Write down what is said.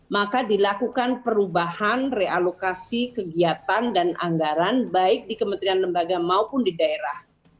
maka dilakukan perubahan realokasi kegiatan dan anggaran baik di kementerian lembaga maupun di daerah